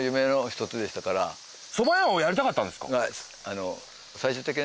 そば屋をやりたかったんですか？